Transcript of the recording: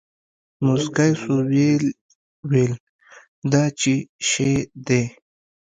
موسکى سو ويې ويل دا چي شې دي.